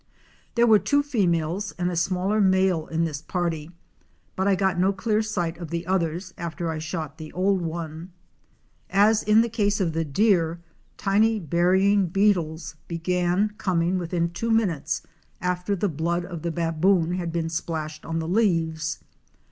There were two females and a smaller male in this party, but I got no clear sight of the others after I shot the old one. As in the case of the deer, tiny burying beetles began coming within two minutes after the blood of the baboon had been splashed on the leaves.